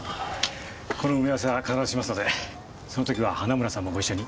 この埋め合わせは必ずしますのでその時は花村さんもご一緒に。